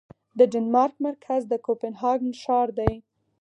د ډنمارک مرکز د کوپنهاګن ښار دی